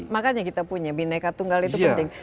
makanya kita punya bineka tunggal itu penting